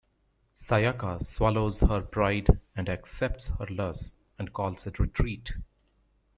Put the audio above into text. Sayaka swallows her pride and accepts her loss and calls a retreat.